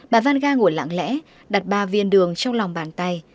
bà vanga ngủ lạng lẽ đặt ba viên đường trong lòng bàn tay